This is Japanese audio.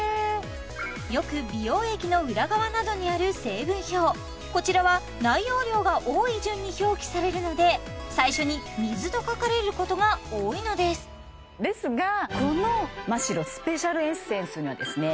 よく美容液の裏側などにある成分表こちらは内容量が多い順に表記されるので最初に水と書かれることが多いのですですがこのマ・シロスペシャルエッセンスにはですね